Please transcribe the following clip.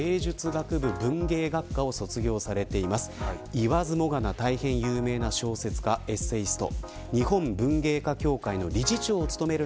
言わずもがな大変有名な小説家、エッセイスト。